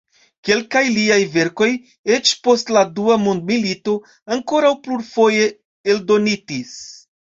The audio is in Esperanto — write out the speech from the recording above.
Kelkaj liaj verkoj eĉ post la Dua mondmilito ankoraŭ plurfoje eldonitis.